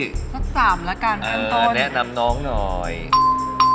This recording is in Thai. สัก๓ละกันตอนนี้